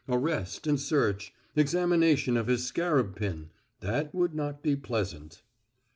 Arrest and search; examination of his scarab pin that would not be pleasant.